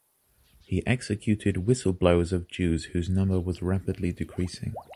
He executed whistleblowers of Jews whose number was rapidly decreasing.